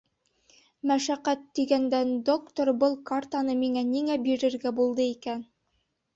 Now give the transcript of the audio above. Мәшәҡәт тигәндән, доктор был картаны миңә ниңә бирергә булды икән?